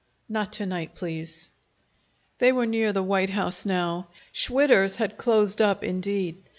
"Not to night, please." They were near the white house now. Schwitter's had closed up, indeed.